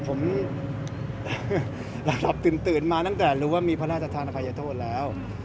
ผมหลับตื่นมาตั้งแต่รู้ว่ามีพระราชธานอภัยโทษแล้ว